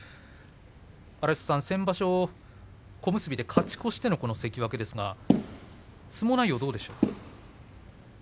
荒磯さん、先場所小結で勝ち越しての関脇ですが相撲内容どうでしょうか。